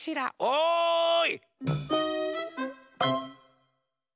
おい！